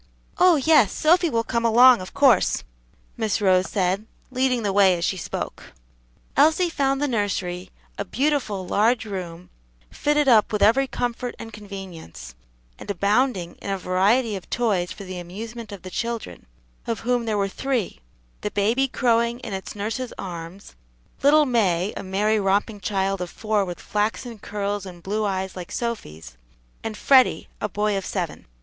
"Oh, yes, Sophy will come along, of course," Miss Rose said, leading the way as she spoke. Elsie found the nursery, a beautiful, large room, fitted up with every comfort and convenience, and abounding in a variety of toys for the amusement of the children, of whom there were three the baby crowing in its nurse's arms, little May, a merry, romping child of four, with flaxen curls and blue eyes like Sophy's, and Freddie, a boy of seven.